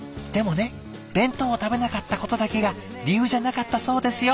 でもね弁当を食べなかったことだけが理由じゃなかったそうですよ